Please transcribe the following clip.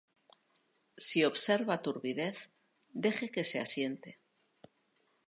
Si observa turbidez, deje que se asiente.